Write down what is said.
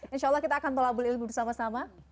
insya allah kita akan melabur labur bersama sama